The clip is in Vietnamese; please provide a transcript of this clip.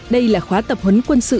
đây là khóa tập huấn quân sự